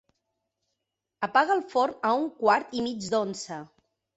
Apaga el forn a un quart i mig d'onze.